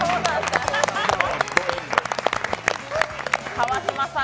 川島さん